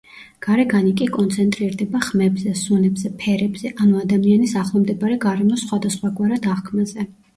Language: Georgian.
გარეგანი კი კონცენტრირდება ხმებზე, სუნებზე, ფერებზე, ანუ ადამიანის ახლომდებარე გარემოს სხვადასხვაგვარ აღქმაზე.